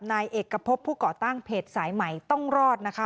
นายเอกพบผู้ก่อตั้งเพจสายใหม่ต้องรอดนะคะ